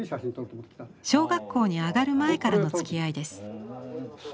小学校に上がる前からのつきあいです。